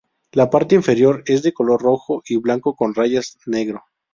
La parte inferior es de color rojo y blanco con rayas negro.